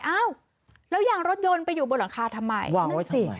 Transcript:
อ้าวแล้วยางรถยนต์ไปอยู่บนหลังคาทำไมสิ